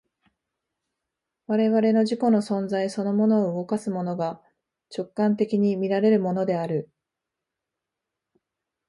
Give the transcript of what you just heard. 我々の自己の存在そのものを動かすものが、直観的に見られるものである。